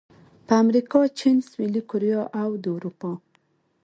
په امریکا، چین، سویلي کوریا او د اروپا